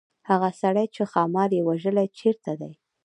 هغه سړی چې ښامار یې وژلی چيرته دی.